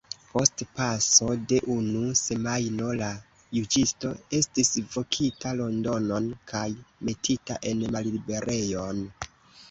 Post paso de unu semajno la juĝisto estis vokita Londonon kaj metita en malliberejon.